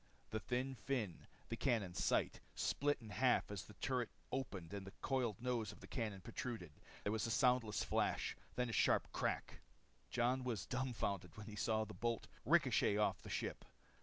The thin fin the cannon's sight split in half as the turret opened and the coiled nose of the cannon protruded. There was a soundless flash. Then a sharp crack. Jon was dumbfounded when he saw the bolt ricochet off the ship.